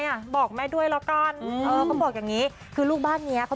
อ่ะบอกแม่ด้วยละก่อนก็บอกอย่างนี้คือลูกบ้านเนี้ยมี